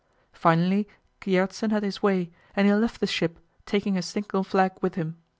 Finally Gjertsen had his way, and he left the ship, taking a signal flag with him.